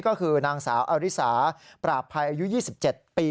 ก็คือนางสาวอริสาปราบภัยอายุ๒๗ปี